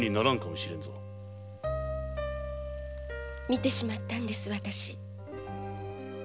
見てしまったんですわたし。